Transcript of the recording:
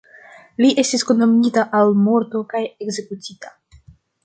Li estis kondamnita al morto kaj ekzekutita.